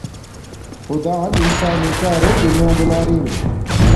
خدان انسان نݵ کارو دنیا دولارین